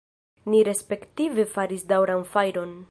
Ni respektive faris daŭran fajron.